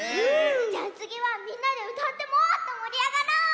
じゃあつぎはみんなでうたってもっともりあがろう！